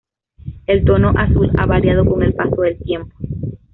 El tono azul ha variado con el paso del tiempo.